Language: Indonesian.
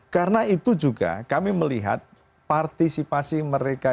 karena itu juga kami melihat partisipasi mereka